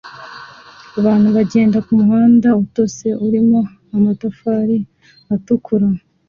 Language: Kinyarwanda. Abantu bagenda kumuhanda utose urimo amatafari atukura